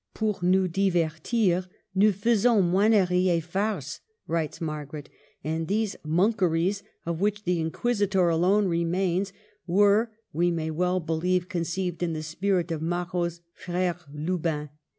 *' Pour nous divertir, nous faisons moineries et farces," writes Margaret; and these monkeries, of which the *' Inquisitor " alone remains, were, we may well believe, conceived in the spirit of Marot's " Frere Lu bin."